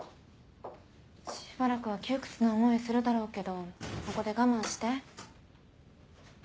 しばらくは窮屈な思いするだろうけどここで我慢して。